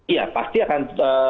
iya pasti akan